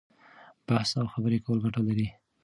بحث او خبرې کول ګټه لري.